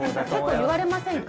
言われませんか？